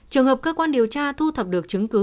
trường hợp cơ quan điều tra thu thập được chứng cứ